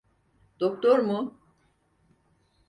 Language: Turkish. Doktor mu?